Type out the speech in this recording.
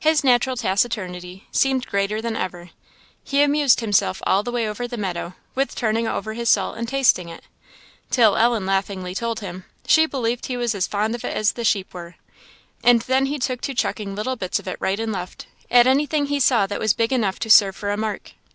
His natural taciturnity seemed greater than ever; he amused himself all the way over the meadow, with turning over his salt and tasting it, till Ellen laughingly told him, she believed he was as fond of it as the sheep were; and then he took to chucking little bits of it right and left, at anything he saw that was big enough to serve for a mark.